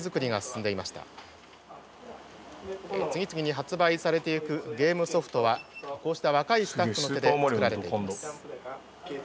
次々に発売されていくゲームソフトはこうした若いスタッフの手ですげ「スーパーマリオ」の土管だ。